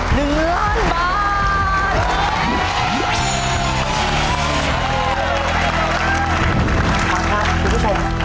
หวังนะทุกทุกคน